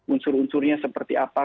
unsur unsurnya seperti apa